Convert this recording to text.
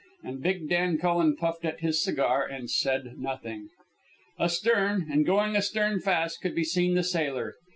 And big Dan Cullen puffed at his cigar and said nothing. Astern, and going astern fast, could be seen the sailor.